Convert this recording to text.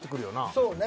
そうね。